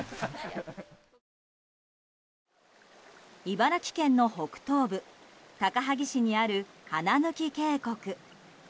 茨城県の北東部高萩市にある花貫渓谷。